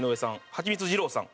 ハチミツ二郎さん。